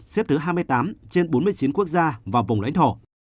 xếp thứ hai mươi tám trên bốn mươi chín quốc gia và vùng lãnh thổ